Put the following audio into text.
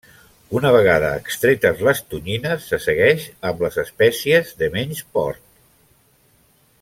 Una vegada extretes les tonyines, se segueix amb les espècies de menys port.